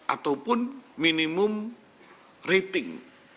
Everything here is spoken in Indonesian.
ataupun minimum rating